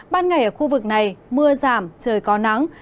ban ngày ở khu vực này mưa giảm trời có nắng